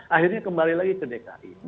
akhirnya kembali lagi ke dki